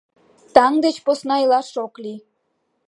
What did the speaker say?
Таҥ деч поена илаш ок лий.